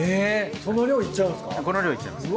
その量いっちゃうんですか？